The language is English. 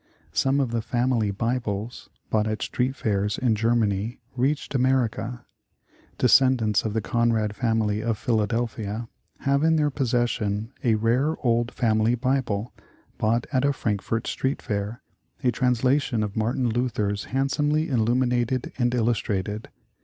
Some of the family Bibles bought at street fairs in. Germany reached America. Descendants of the Con rad family of Philadelphia have in their possession a rare old family Bible bought at a Frankfort street fair, 11 The Original John Jacob Astor a translation of Martin Luther's, handsomely illumin ated and illustrated.